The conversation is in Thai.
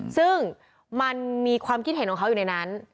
ซึ่งมันมีความคิดเห็นของเขาอยู่ในนั้น